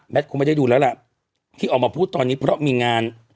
คงไม่ได้ดูแล้วล่ะที่ออกมาพูดตอนนี้เพราะมีงาน